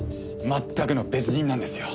全くの別人なんですよ。